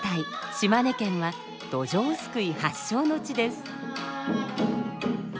島根県は「どじょうすくい」発祥の地です。